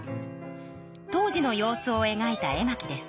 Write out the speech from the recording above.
当時の様子をえがいた絵巻です。